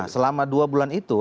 selama dua bulan itu